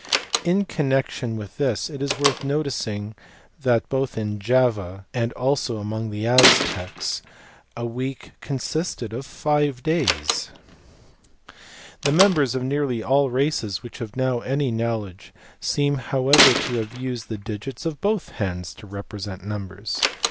ID connection with this it is worth noticing that both in Java and also among the Aztecs a week consisted of five days* The members of nearly all races of which we have now any knowledge seem however to have used the digits of both hands to represent numbers.